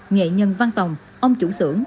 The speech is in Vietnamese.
nghệ nhân văn tòng ông chủ sưởng